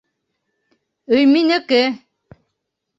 Өй минеке!